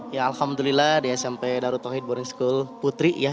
ya alhamdulillah di smp darut tauhid boring school putri ya